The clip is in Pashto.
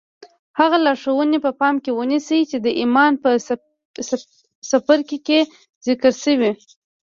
هغه لارښوونې په پام کې ونيسئ چې د ايمان په څپرکي کې ذکر شوې.